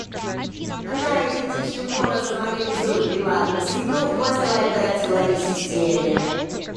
Она идентичным образом организует приватную среду в хостовой операционной системе